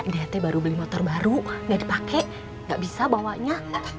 dete baru beli motor baru gak dipake gak bisa bawanya